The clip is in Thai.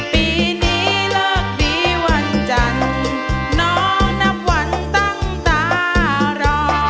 ปีนี้เลิกดีวันจันทร์น้องนับวันตั้งตารอ